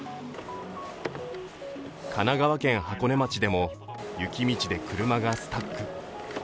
神奈川県箱根町でも雪道で車がスタック。